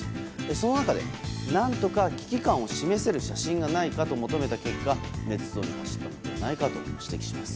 その中で何とか危機感を示せる写真がないかと求めた結果ねつ造に走ったのではないかと指摘します。